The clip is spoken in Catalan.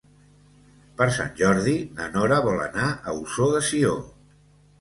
Per Sant Jordi na Nora vol anar a Ossó de Sió.